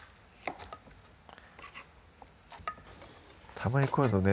たまにこういうのね